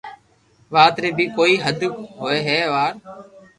وات ري بي ڪوئي ھد ھوئي ھي وار